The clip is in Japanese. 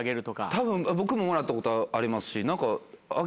たぶん僕ももらったことありますし何か。